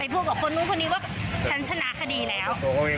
ทุกคนเขาเคยเซ็นแล้ว